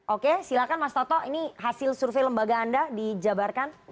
oke silakan mas toto ini hasil survei lembaga anda dijabarkan